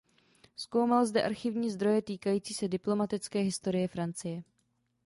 Zkoumal zde archivní zdroje týkající se diplomatické historie Francie.